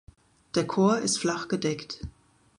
Der Chor ist flach gedeckt.